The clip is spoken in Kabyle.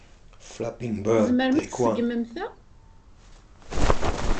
Tzemrem ad tseggmem ta?